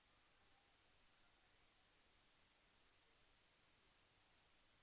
โปรดติดตามตอนต่อไป